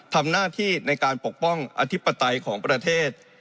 ทำหน้าที่ในการปกป้องอธิปไตยของประเทศ